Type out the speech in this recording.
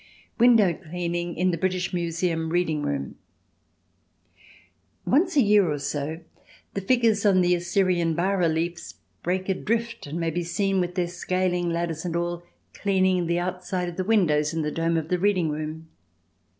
Window Cleaning in the British Museum Reading Room Once a year or so the figures on the Assyrian bas reliefs break adrift and may be seen, with their scaling ladders and all, cleaning the outside of the windows in the dome of the reading room.